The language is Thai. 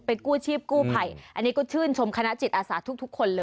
กู้ชีพกู้ภัยอันนี้ก็ชื่นชมคณะจิตอาสาทุกคนเลย